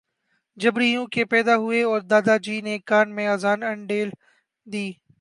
جبری یوں کہ ، پیدا ہوئے اور دادا جی نے کان میں اذان انڈیل دی